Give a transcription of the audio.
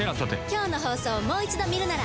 今日の放送をもう一度見るなら。